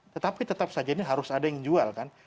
tetapi tetap saja ini harus ada yang jual kan